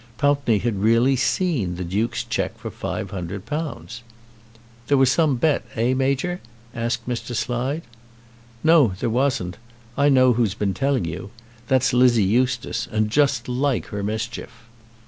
Pountney had really seen the Duke's cheque for £500. "There was some bet, eh, Major?" asked Mr. Slide. "No, there wasn't. I know who has been telling you. That's Lizzie Eustace, and just like her mischief.